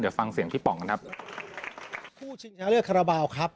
เดี๋ยวฟังเสียงพี่ป๋องกันครับ